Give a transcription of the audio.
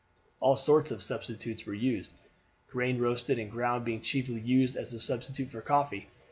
All sorts of substitutes were used; grain roasted and ground being chiefly used as a substitute for coffee.